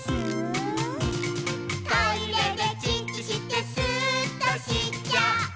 「トイレでチッチしてスーっとしちゃお！」